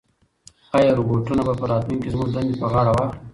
ایا روبوټونه به په راتلونکي کې زموږ دندې په غاړه واخلي؟